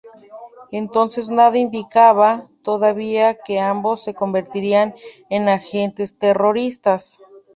Entonces nada indicaba todavía que ambos se convertirían en agentes terroristas.